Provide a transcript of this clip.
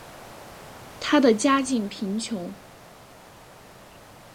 她的家境贫穷。